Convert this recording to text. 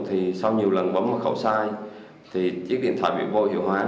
thì sau nhiều lần bấm một khẩu sai thì chiếc điện thoại bị vô hiệu hóa